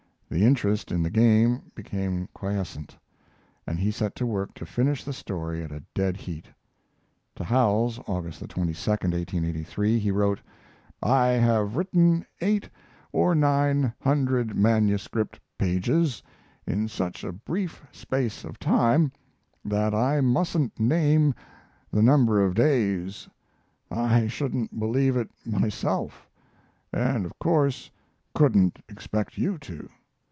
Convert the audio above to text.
The interest in the game became quiescent, and he set to work to finish the story at a dead heat. To Howells, August 22 (1883), he wrote: I have written eight or nine hundred manuscript pages in such a brief space of time that I mustn't name the number of days; I shouldn't believe it myself, and of course couldn't expect you to.